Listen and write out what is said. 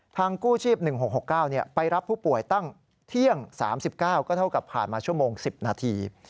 กู้ชีพ๑๖๖๙ไปรับผู้ป่วยตั้งเที่ยง๓๙ก็เท่ากับผ่านมาชั่วโมง๑๐นาที